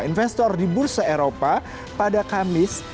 investor di bursa eropa pada kamis